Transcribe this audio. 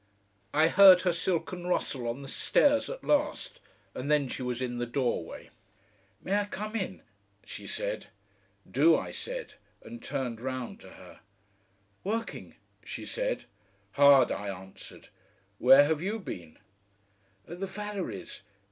I heard her silken rustle on the stairs at last, and then she was in the doorway. "May I come in?" she said. "Do," I said, and turned round to her. "Working?" she said. "Hard," I answered. "Where have YOU been?" "At the Vallerys'.